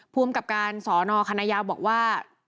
ภูมิกับการสอนอคณะยาวบอกว่า